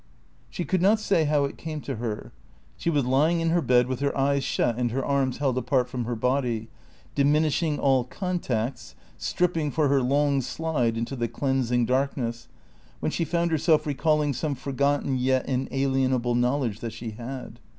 She could not say how it came to her; she was lying in her bed with her eyes shut and her arms held apart from her body, diminishing all contacts, stripping for her long slide into the cleansing darkness, when she found herself recalling some forgotten, yet inalienable knowledge that she had.